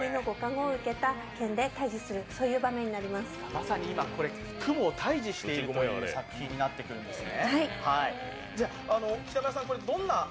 まさに蜘蛛を退治しているという作品になってくるんですね。